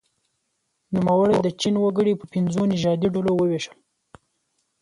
نوموړي د چین وګړي په پنځو نژادي ډلو وویشل.